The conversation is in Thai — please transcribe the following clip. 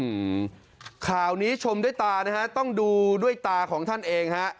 อืมข่าวนี้ชมด้วยตานะฮะต้องดูด้วยตาของท่านเองฮะ